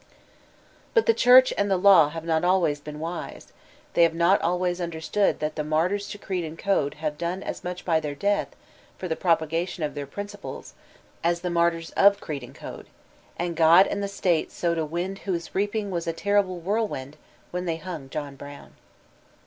But the Church and the Law have not ahrays been wise; they have not always understood that the martyrs to Creed and Code have done as much by their death for the propagation of their principles as the martyrs of creed and code; and God and the State sowed a wind whose reaping was a terrible whirlwind, when they hung John Brown.